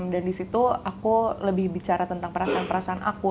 dan di situ aku lebih bicara tentang perasaan perasaan aku